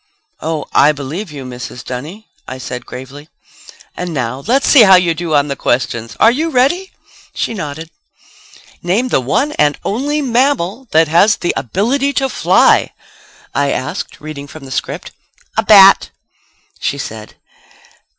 "Oh, I believe you, Mrs. Dunny," I said gravely. "And now, let's see how you do on the questions. Are you ready?" She nodded. "Name the one and only mammal that has the ability to fly," I asked, reading from the script. "A bat," she said.